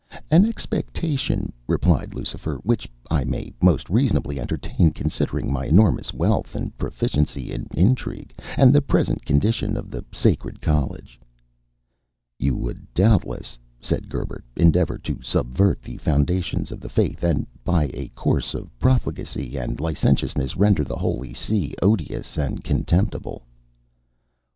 "An expectation," replied Lucifer, "which I may most reasonably entertain, considering my enormous wealth, my proficiency in intrigue, and the present condition of the Sacred College." "You would doubtless," said Gerbert, "endeavour to subvert the foundations of the Faith, and, by a course of profligacy and licentiousness, render the Holy See odious and contemptible."